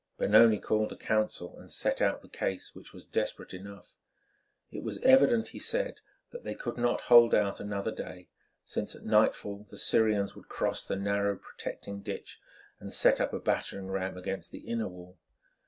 Benoni called a council and set out the case, which was desperate enough. It was evident, he said, that they could not hold out another day, since at nightfall the Syrians would cross the narrow protecting ditch and set up a battering ram against the inner wall.